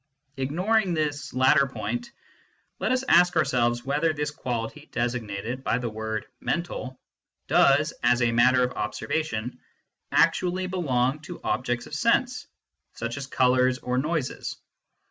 Ignoring this latter point, let us ask ourselves whether the quality designated by the word " mental " does, as a matter of observation, actually belong to objects of sense, such as colours or noises.